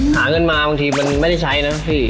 หาเงินมาบางทีมันไม่ได้ใช้นะพี่